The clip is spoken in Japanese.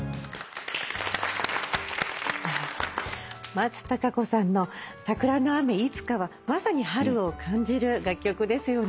松たか子さんの『桜の雨、いつか』はまさに春を感じる楽曲ですよね。